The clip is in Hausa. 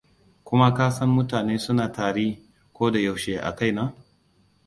kuma ka san mutane suna tari ko da yaushe a kai na